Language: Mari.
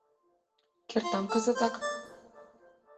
— Кертам кызытак.